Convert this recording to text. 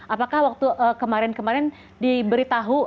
apakah waktu kemarin kemarin diberitahu